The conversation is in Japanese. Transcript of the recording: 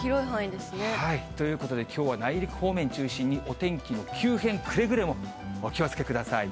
ということで、きょうは内陸方面中心にお天気の急変、くれぐれもお気をつけください。